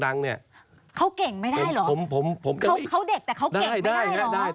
เขาเก่งไม่ได้หรอ